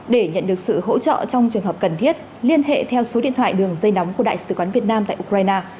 để nhận được sự hỗ trợ trong trường hợp cần thiết liên hệ theo số điện thoại đường dây nóng của đại sứ quán việt nam tại ukraine